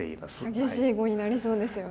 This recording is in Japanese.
激しい碁になりそうですよね。